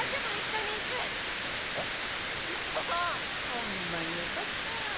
ホンマによかったわ。